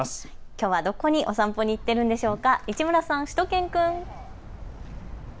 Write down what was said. きょうはどこにお散歩に行っているでしょうか、市村さん、しゅと犬くん。